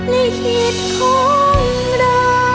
ลิ่งคิดของเรา